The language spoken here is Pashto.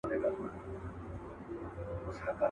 یا خو غښتلی یا بې اثر یې.